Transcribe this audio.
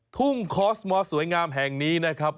ทุ่งคอสมอสสวยงามแห่งนี้นะครับ